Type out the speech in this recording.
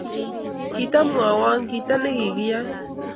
kitamwowoo kita nekiyoe.